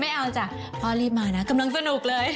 ไม่เอาจ้ะพ่อรีบมานะกำลังสนุกเลย